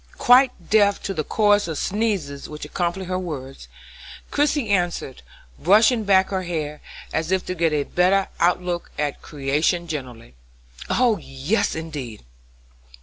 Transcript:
Quite deaf to the chorus of sneezes which accompanied her words, Christie answered, brushing back her hair, as if to get a better out look at creation generally: "Oh, yes, indeed!